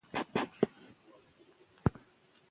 په قانون کې ځان خوندي لیدل د حقیقي امن مانا لري.